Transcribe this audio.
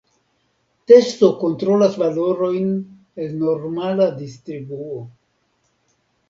Testo kontrolas valorojn el normala distribuo.